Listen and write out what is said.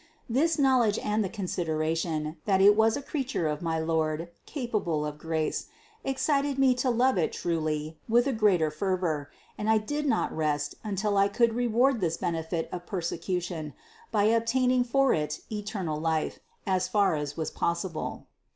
This knowledge and the consideration, that it was a crea ture of my Lord, capable of grace, excited me to love it truly with a greater fervor, and I did not rest until I could reward this benefit of persecution by obtaining for it eternal life, as far as was possible.